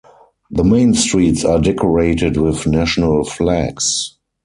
The main streets are decorated with national flags.